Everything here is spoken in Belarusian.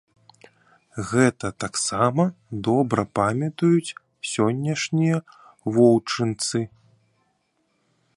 Гэта таксама добра памятаюць сённяшнія воўчынцы.